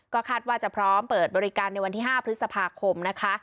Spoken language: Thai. ก็คาดว่าจะพร้อมเปิดบริการในวันที่๕พฤษภาคมนะคะ